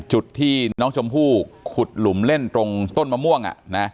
จุดที่น้องชมพู่ขุดหลุมเล่นตรงต้นมะม่วง